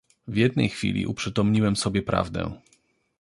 "W jednej chwili uprzytomniłem sobie prawdę."